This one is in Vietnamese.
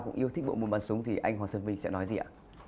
cũng yêu thích bộ môn bắn súng thì anh hoàng xuân vinh sẽ nói gì ạ